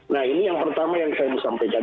nah ini yang pertama yang saya musampilkan